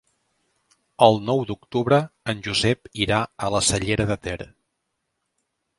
El nou d'octubre en Josep irà a la Cellera de Ter.